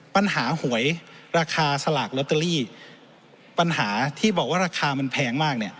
ปัญหาหวยราคาสลากลอตเตอรี่ปัญหาที่บอกว่าราคามันแพงมากเนี่ย